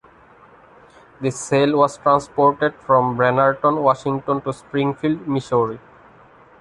The sail was transported from Brenerton Washington to Springfield Missouri.